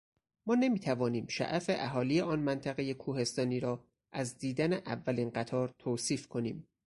ما نمیتوانیم شعف اهالی آن منطقهٔ کوهستانی را از دیدن اولین قطار توصیف کنیم.